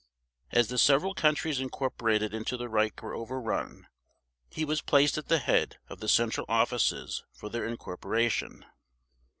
As the several countries incorporated into the Reich were overrun, he was placed at the head of the central offices for their incorporation.